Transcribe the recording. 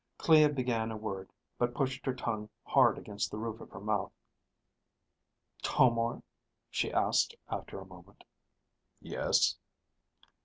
Clea began a word, but pushed her tongue hard against the roof of her mouth. "Tomar?" she asked after a moment. "Yes?"